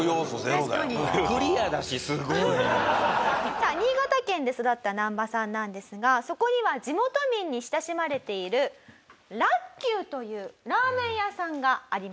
さあ新潟県で育ったナンバさんなんですがそこには地元民に親しまれている楽久というラーメン屋さんがありました。